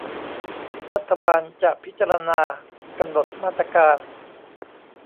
รัฐบาลจะพิจารณากำหนดมาตรการ